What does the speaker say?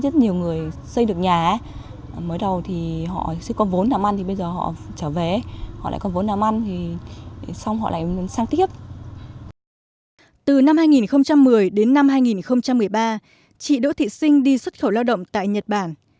từ năm hai nghìn một mươi đến năm hai nghìn một mươi ba chị đỗ thị sinh đi xuất khẩu lao động tại nhật bản